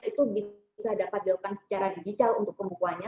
itu bisa dapat dilakukan secara digital untuk pembukuannya